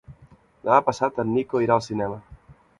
Demà passat en Nico irà al cinema.